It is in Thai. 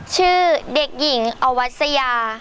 ชื่อเด็กหญิงอวัสยา